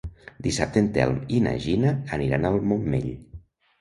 Dissabte en Telm i na Gina aniran al Montmell.